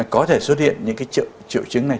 có thể xuất hiện những cái triệu chứng này